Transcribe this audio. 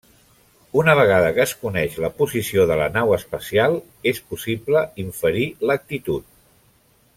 Una vegada que es coneix la posició de la nau espacial és possible inferir l'actitud.